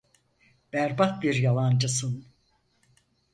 Berbat bir yalancısın.